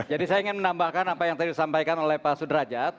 jadi saya ingin menambahkan apa yang tadi disampaikan oleh pak sudrajat